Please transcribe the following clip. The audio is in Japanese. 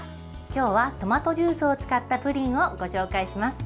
今日はトマトジュースを使ったプリンをご紹介します。